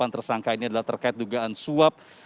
delapan tersangka ini adalah terkait dugaan suap